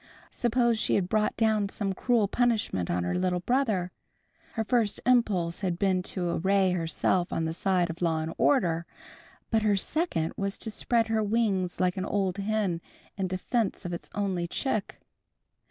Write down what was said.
Suppose she had brought down some cruel punishment on her little brother! Her first impulse had been to array herself on the side of law and order, but her second was to spread her wings like an old hen in defense of its only chick.